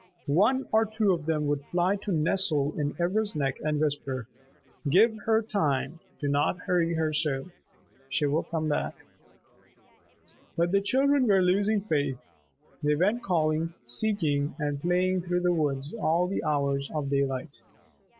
One or two of them would fly to nestle in Ivra's neck and whisper, "Give her time. Do not hurry her so. She will come back." But the children were losing faith. They went calling, seeking and playing through the woods all the hours of daylight.